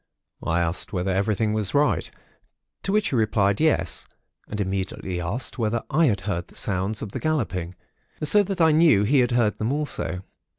I asked whether everything was right; to which he replied yes, and immediately asked me whether I had heard the sounds of the galloping; so that I knew he had heard them also.